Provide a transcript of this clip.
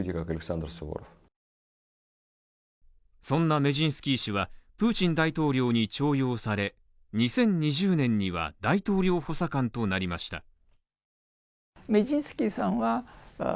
そんなメジンスキー氏は、プーチン大統領に重用され、２０２０年には大統領補佐官となりました。